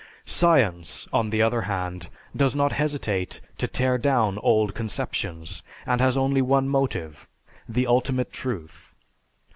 Science, on the other hand, does not hesitate to tear down old conceptions, and has only one motive, the ultimate truth.